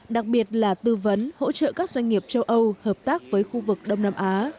đặc biệt là tư vấn hỗ trợ các doanh nghiệp châu âu hợp tác với khu vực đông nam á